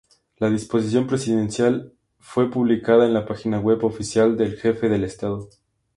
La disposición presidencial fue publicada en la página web oficial del jefe del Estado.